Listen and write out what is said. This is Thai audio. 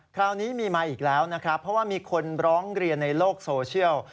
คราวนี้มีมาอีกแล้วนะครับเพราะว่ามีคนร้องเรียนในโลกโซเชียล